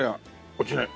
落ちない。